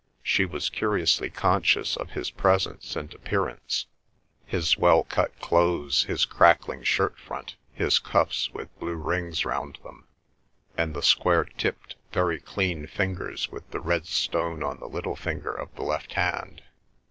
She was curiously conscious of his presence and appearance—his well cut clothes, his crackling shirt front, his cuffs with blue rings round them, and the square tipped, very clean fingers with the red stone on the little finger of the left hand.